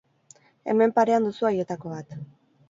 Hemen parean duzu haietako bat.